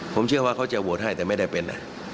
ผมเชื่อว่าเขาจะโหวตให้แต่ไม่ได้เป็น